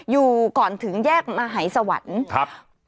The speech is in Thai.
อยู่ก่อนถึงแยกมหาศวรรณ